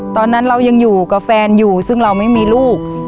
ตอนนั้นเรายังอยู่กับแฟนอยู่ซึ่งเราไม่มีลูก